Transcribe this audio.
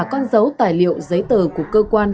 con dấu tài liệu giấy tờ của cơ quan